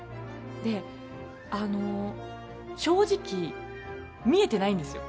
で、あの正直見えてないんですよ